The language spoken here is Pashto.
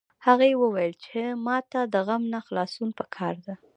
هغې وویل چې ما ته د غم نه خلاصون په کار ده